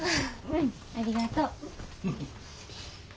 うんありがとう。